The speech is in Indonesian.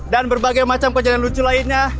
dan berbagai macam kejadian lucu lainnya